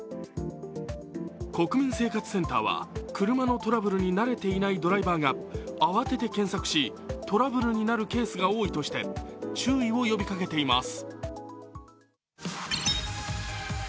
国民生活センターは車のトラブルに慣れていないドライバーが慌てて検索し、トラブルになるケースが多いとして注意を呼びかけています。